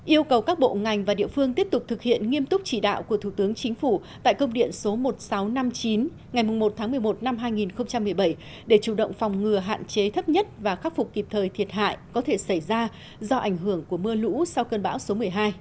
yêu cầu các bộ ngành và địa phương tiếp tục thực hiện nghiêm túc chỉ đạo của thủ tướng chính phủ tại công điện số một nghìn sáu trăm năm mươi chín ngày một tháng một mươi một năm hai nghìn một mươi bảy để chủ động phòng ngừa hạn chế thấp nhất và khắc phục kịp thời thiệt hại có thể xảy ra do ảnh hưởng của mưa lũ sau cơn bão số một mươi hai